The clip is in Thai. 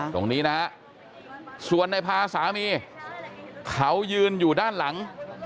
ตรงนี้นะฮะส่วนในพาสามีเขายืนอยู่ด้านหลัง